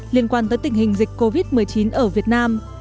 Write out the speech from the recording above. liên quan tới tình hình dịch covid một mươi chín ở việt nam